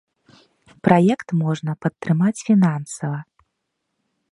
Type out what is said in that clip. Праект можна падтрымаць фінансава.